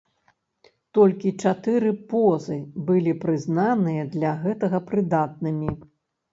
Толькі чатыры позы былі прызнаныя для гэтага прыдатнымі.